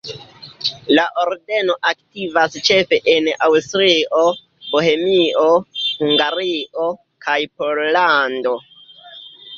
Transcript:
La ordeno aktivas ĉefe en Aŭstrio, Bohemio, Hungario kaj Pollando.